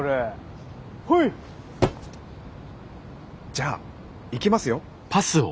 じゃあいきますよ。